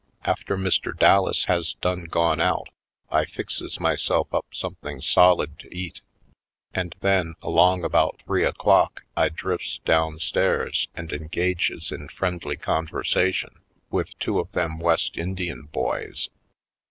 After Mr. Dallas has done gone out I fixes myself up something solid to eat and then, along about three o'clock I drifts down stairs and engages in friendly conversation with two of them West Indian boys.